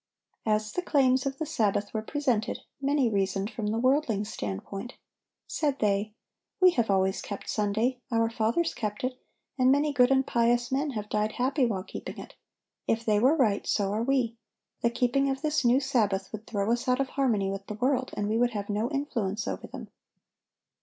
As the claims of the Sabbath were presented, many reasoned from the worldling's standpoint. Said they: "We have always kept Sunday, our fathers kept it, and many good and pious men have died happy while keeping it. If they were right, so are we. The keeping of this new Sabbath would throw us out of harmony with the world, and we would have no influence over them.